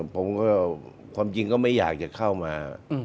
ผมก็ความจริงก็ไม่อยากจะเข้ามา